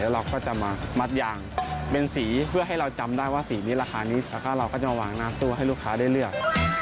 เราก็จะมามัดยางเป็นสีเพื่อให้เราจำได้ว่าสีนี้ราคานี้แล้วก็เราก็จะมาวางหน้าตู้ให้ลูกค้าได้เลือก